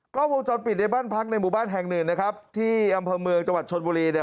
ก็วงจรปิดในบ้านพักในหมู่บ้านแห่งหนึ่งนะครับที่อำเภอเมืองจังหวัดชนบุรีเนี่ย